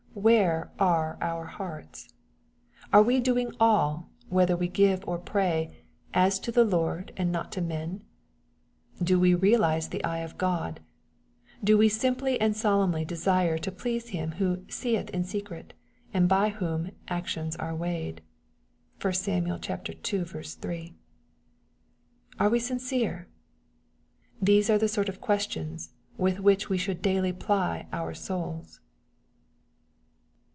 Where are our hearts ? Are we doing all, whether we give or pray, " as to the Lord, and not to men ?'' Do we realize the eye of God ? Do we simply and solely desire to please Him, who " seeth in secret," and by whom " actions are weighed ?" (1 Sam. ii. 8.) Are we sincere ? These are the sort of questions, with which we should daily ply our souls.